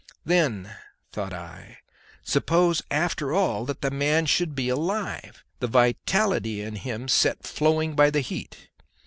Then, thought I, suppose after all that the man should be alive, the vitality in him set flowing by the heat?